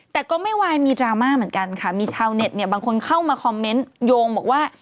แต่ก็ไม่วายมีดราม่าเหมือนกันค่ะมีชาวเน็ตเนี่ยบางคนเข้ามาคอมเมนต์โยงบอกว่า